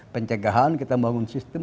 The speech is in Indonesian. pencegahan kita membangun sistem